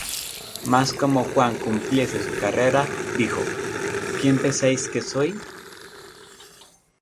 Mas como Juan cumpliese su carrera, dijo: ¿Quién pensáis que soy?